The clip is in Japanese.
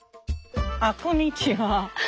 ああこんにちは。